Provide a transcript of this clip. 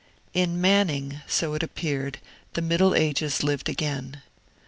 In Manning, so it appeared, the Middle Ages lived again.